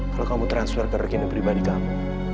kalau kamu transfer ke rekening pribadi kamu